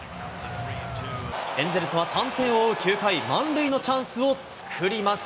エンゼルスは３点を追う９回、満塁のチャンスを作ります。